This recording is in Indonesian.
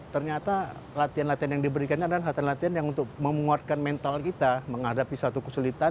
ternyata latihan latihan yang diberikan adalah latihan latihan yang untuk memuatkan mental kita menghadapi suatu kesulitan